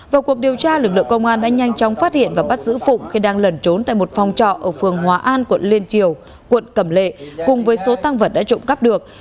vào cuộc điều tra lực lượng công an đã nhanh chóng phát hiện và bắt giữ phụng khi đang lẩn trốn tại một phòng trọ ở phường hòa an quận liên triều quận cẩm lệ cùng với số tăng vật đã trộm cắp được